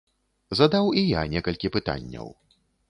Задаў і я некалькі пытанняў.